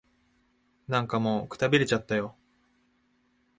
なんかもう、くたびれちゃったよ。